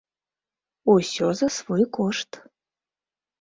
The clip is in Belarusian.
Усё за свой кошт.